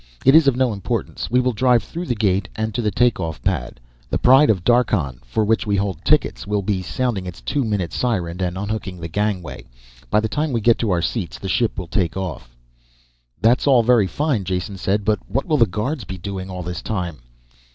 It is of no importance. We will drive through the gate and to the take off pad. The Pride of Darkhan, for which we hold tickets, will be sounding its two minute siren and unhooking the gangway. By the time we get to our seats the ship will take off." "That's all very fine," Jason said. "But what will the guards be doing all this time?"